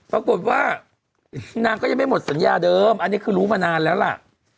ปรากฏว่านางก็ยังไม่หมดสัญญาเดิมอันนี้คือรู้มานานแล้วล่ะ